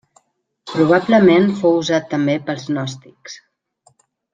Probablement fou usat també pels gnòstics.